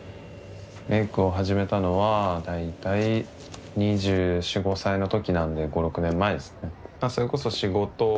メイクを始めたのは大体２４２５歳のときなんで５６年前ですね。